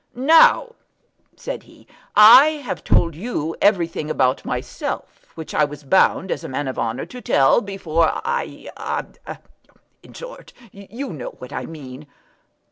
"Now," said he, "I have told you everything about myself which I was bound, as a man of honour, to tell before I I I . In short you know what I mean."